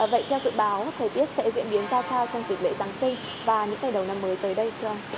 vậy theo dự báo thời tiết sẽ diễn biến ra sao trong dịp lễ giáng sinh